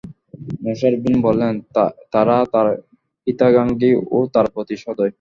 মূসার বোন বললেন, তারা তার হিতাকাঙ্খী ও তার প্রতি সদয়।